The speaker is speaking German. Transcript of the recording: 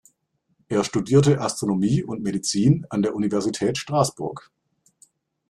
Er studierte Astronomie und Medizin an der Universität Straßburg.